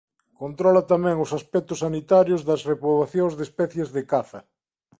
Controla tamén os aspectos sanitarios das repoboacións de especies de caza.